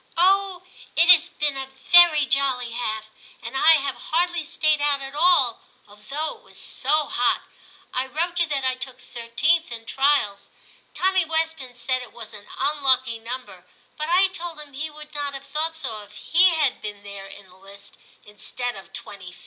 '*'* Oh ! it has been a very jolly half, and I have hardly stayed out at all, although it was so hot. I wrote you that I took 13th in trials. Tommy Weston said it was an un lucky number, but I told him he would not have thought so if he had been there in the list instead of 25th.'